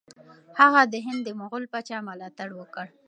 هغه د هند د مغول پاچا ملاتړ وکړ.